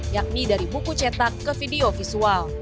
yakni dari buku cetak ke video visual